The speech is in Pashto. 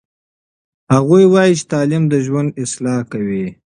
هغوی وایي چې تعلیم د ژوند اصلاح کوي.